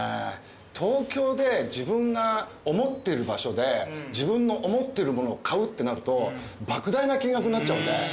東京で自分が思ってる場所で自分の思ってるもの買うってなると莫大な金額になっちゃうんで。